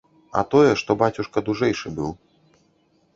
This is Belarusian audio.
А тое, што бацюшка дужэйшы быў.